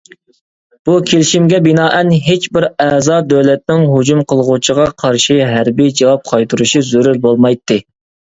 بۇ كېلىشىمگە بىنائەن ھېچ بىر ئەزا دۆلەتنىڭ ھۇجۇم قىلغۇچىغا قارشى ھەربىي جاۋاب قايتۇرۇشى زۆرۈر بولمايتتى.